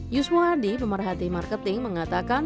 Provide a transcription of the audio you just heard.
yusmo hardi pemerhati marketing mengatakan